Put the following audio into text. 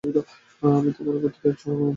আমি আমার গোত্রের এক অনুসৃত ব্যক্তি।